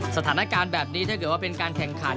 สถานการณ์แบบนี้ถ้าเกิดว่าเป็นการแข่งขัน